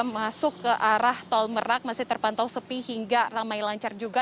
masuk ke arah tol merak masih terpantau sepi hingga ramai lancar juga